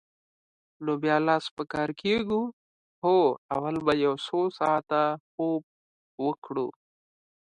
نو بیا لاس په کار کېږو؟ هو، اول به یو څو ساعته خوب وکړو.